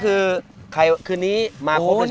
คือคืนนี้มาคบยังไง